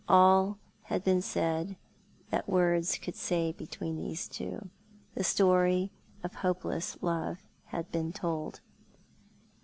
All had been said that words could say between those two. The story of hopeless love had been told.